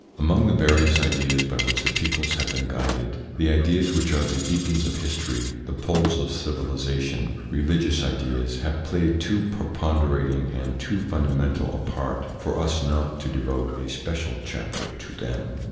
AMONG the various ideas by which the peoples have been guided, the ideas which are the beacons of history, the poles of civilisation, religious ideas have played too preponderating and too fundamental a part for us not to devote a special chapter to them.